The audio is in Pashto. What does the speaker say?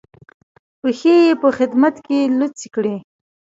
پښې یې په خدمت کې لڅې کړې.